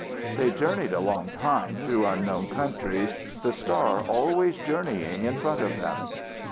They journeyed a long time through unknown countries, the star always journeying in front of them.